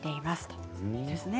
いいですね。